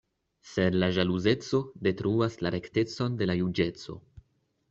Sed la ĵaluzeco detruas la rektecon de la juĝeco.